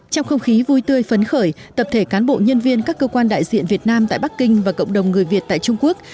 trong không khí vui tươi phấn khởi tập thể cán bộ nhân viên các cơ quan đại diện việt nam tại bắc kinh và cộng đồng người việt tại trung quốc